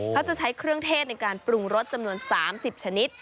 เขาจะใช้เครื่องเทศในการปรุงรสจำนวน๓๐ชนิด